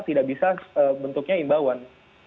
tidak bisa bentuknya imbauan